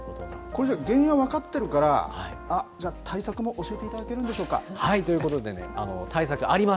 これ、原因は分かってるから、あっ、じゃあ対策も教えていただということでね、対策ありま